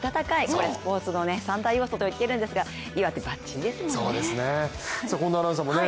これ、スポーツの三大要素と言っているんですが岩手ばっちりですもんね。